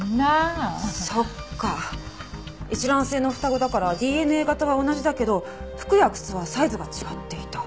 一卵性の双子だからＤＮＡ型は同じだけど服や靴はサイズが違っていた。